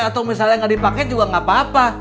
atau misalnya gak dipake juga nggak apa apa